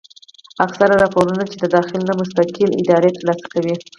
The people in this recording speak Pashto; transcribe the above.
اکثره راپورنه چې د داخل نه مستقلې ادارې تر لاسه کوي